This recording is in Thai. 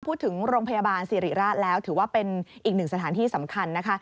พูดถึงโรงพยาบาลสิริราชแล้วถือว่าเป็นอีกหนึ่งสถานที่สำคัญนะคะ